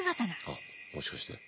あっもしかして。